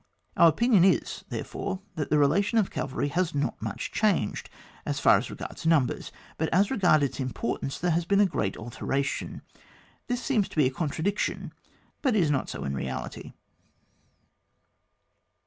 Out opinion is, thereforOi that the rela tion of cavalry has not much changed as far as regards numbers, but as regards its importance, there has been a great alteration. This seems to be a contra diction, but is not so in reality.